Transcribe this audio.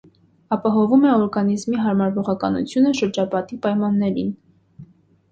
Ապահովում է օրգանիզմի հարմարվողականությունը շրջապատի պայմաններին։